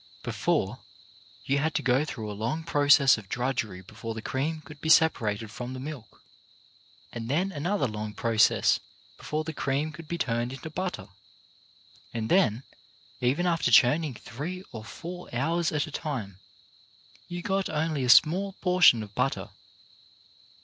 Before, you had to go through a long process of drudgery before the cream could be separated from the milk, and then another long process before the cream could be turned into butter, and then, even after churning three or four hours at a time, you got only a small portion of butter.